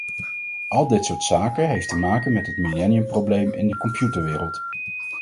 Al dit soort zaken heeft te maken met het millenniumprobleem in de computerwereld.